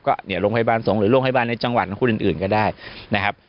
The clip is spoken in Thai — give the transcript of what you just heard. ก็ลงพยาบาลสงฆ์หรือลงพยาบาลในจังหวัดหรือคนอื่นก็ได้นะครับ